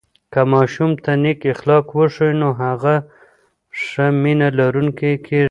که ماشوم ته نیک اخلاق وښیو، نو هغه ښه مینه لرونکی کېږي.